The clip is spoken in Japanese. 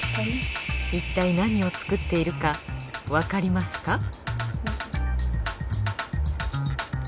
いったい何を作っているかわかりますか？